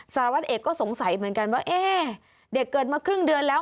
สารวัตรเอกก็สงสัยเหมือนกันว่าเอ๊ะเด็กเกิดมาครึ่งเดือนแล้ว